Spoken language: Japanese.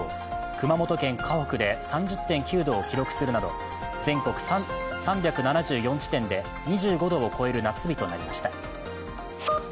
熊本県鹿北で３０．９度を記録するなど全国３７４地点で２５度を超える夏日となりました。